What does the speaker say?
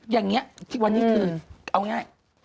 อย่างนี้ที่วันนี้คือเอาง่าย